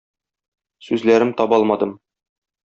Сүзләрем таба алмадым.